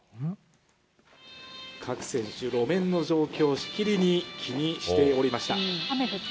各選手、路面の状況、しきりに気にしておりました。